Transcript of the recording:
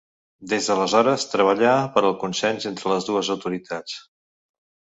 Des d'aleshores treballà per al consens entre les dues autoritats.